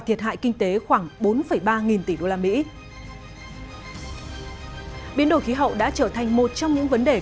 thiệt hại kinh tế khoảng bốn ba nghìn tỷ usd biến đổi khí hậu đã trở thành một trong những vấn đề